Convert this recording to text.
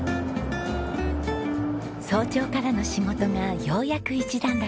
早朝からの仕事がようやく一段落。